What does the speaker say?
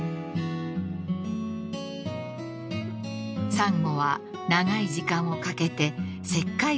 ［サンゴは長い時間をかけて石灰岩へと変化］